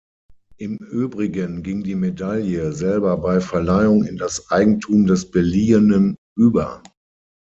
Im Übrigen ging die Medaille selber bei Verleihung in das Eigentum des Beliehenen über.